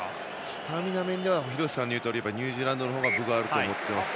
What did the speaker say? スタミナ面では廣瀬さんの言うようにニュージーランドの方が分があると思います。